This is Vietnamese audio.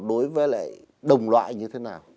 đối với lại đồng loại như thế nào